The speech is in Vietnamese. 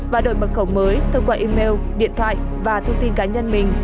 và đổi mật khẩu mới thông qua email điện thoại và thông tin cá nhân mình